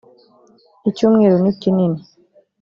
icyumweru nikinini .